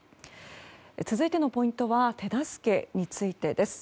続いてのポイントは手助けについてです。